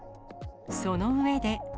その上で。